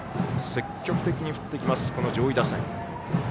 積極的に振ってきます上位打線。